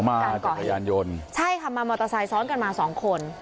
จักรยานยนต์ใช่ค่ะมามอเตอร์ไซค์ซ้อนกันมาสองคน